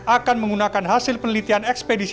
akan menggunakan hasil penelitian ekspedisi